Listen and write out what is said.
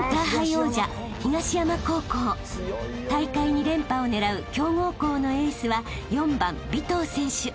［大会２連覇を狙う強豪校のエースは４番尾藤選手］